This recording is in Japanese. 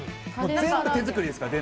全部、手作りですから。